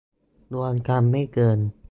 รวมกันไม่เกิน